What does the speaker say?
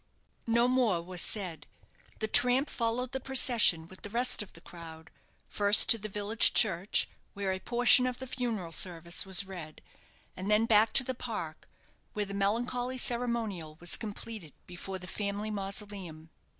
No more was said. The tramp followed the procession with the rest of the crowd, first to the village church, where a portion of the funeral service was read, and then back to the park, where the melancholy ceremonial was completed before the family mausoleum.